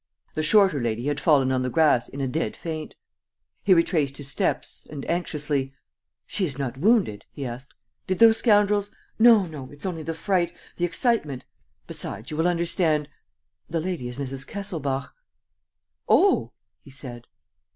The shorter lady had fallen on the grass in a dead faint. He retraced his steps and, anxiously: "She is not wounded?" he asked. "Did those scoundrels ..." "No ... no ... it's only the fright ... the excitement. ... Besides you will understand ... the lady is Mrs. Kesselbach. ..." "Oh!" he said.